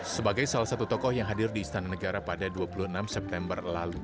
sebagai salah satu tokoh yang hadir di istana negara pada dua puluh enam september lalu